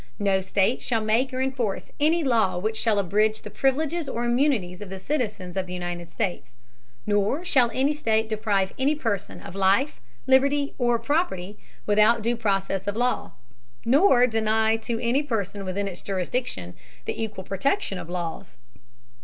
No State shall make or enforce any law which shall abridge the privileges or immunities of citizens of the United States: nor shall any State deprive any person of life, liberty, or property, without due process of law; nor deny to any person within its jurisdiction the equal protection of the laws.